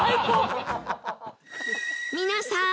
皆さん！